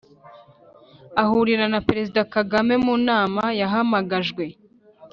ahurira na perezida kagame mu nama yahamagajwe